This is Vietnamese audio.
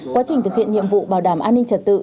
quá trình thực hiện nhiệm vụ bảo đảm an ninh trật tự